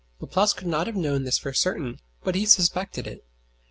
Laplace could not have known this for certain, but he suspected it.